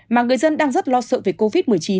mà người dân đang rất lo sợ về covid một mươi chín